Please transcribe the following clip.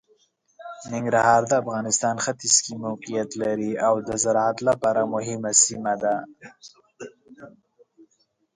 ننګرهار د افغانستان ختیځ کې موقعیت لري او د زراعت لپاره مهمه سیمه ده.